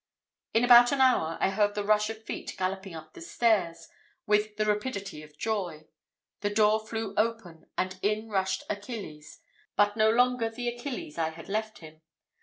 In about an hour I heard the rush of feet galloping up the stairs, with the rapidity of joy; the door flew open, and in rushed Achilles but no longer the Achilles I had left him.